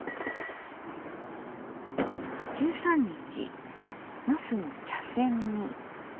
１３日「茄子の茶せん煮」。